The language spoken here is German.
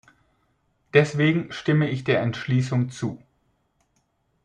Deswegen stimme ich der Entschließung zu.